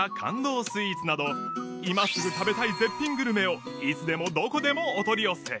スイーツなど今すぐ食べたい絶品グルメをいつでもどこでもお取り寄せ